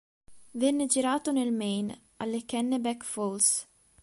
Venne girato nel Maine, alle Kennebec Falls.